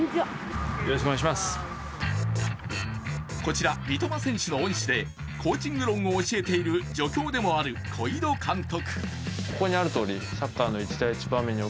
こちら、三笘選手の恩師でコーチング論を教えている助教でもある小井土監督。